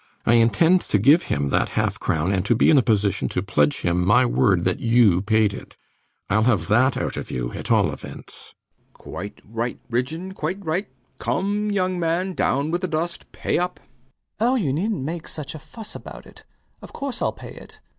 I intend to give him that half crown and to be in a position to pledge him my word that you paid it. I'll have that out of you, at all events. B. B. Quite right, Ridgeon. Quite right. Come, young man! down with the dust. Pay up. LOUIS. Oh, you neednt make such a fuss about it. Of course I'll pay it.